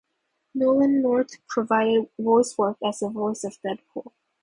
Nolan North provided voicework as the voice of Deadpool.